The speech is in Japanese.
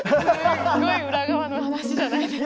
すごい裏側の話じゃないですか。